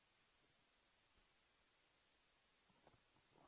โปรดติดตามตอนต่อไป